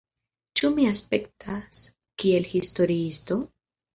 Ĉu mi aspektas kiel historiisto?